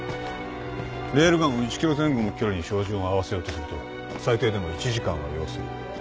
レールガンを１ｋｍ前後の距離に照準を合わせようとすると最低でも１時間は要する。